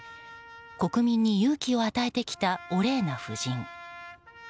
国民に勇気を与えてきたオレーナ夫人。